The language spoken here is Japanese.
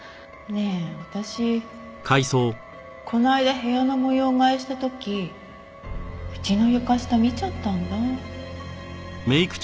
ねえ私この間部屋の模様替えした時家の床下見ちゃったんだ。